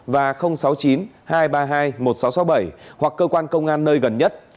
và sáu mươi chín hai trăm ba mươi hai một nghìn sáu trăm sáu mươi bảy hoặc cơ quan công an nơi gần nhất